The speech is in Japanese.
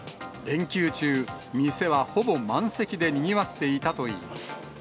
連休中、店はほぼ満席でにぎわっていたといいます。